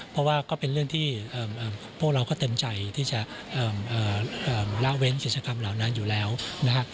เพราะว่าก็เป็นเรื่องที่พวกเราก็เต็มใจที่จะละเว้นศิษฐกรรมเหล่านั้นอยู่แล้วนะฮะ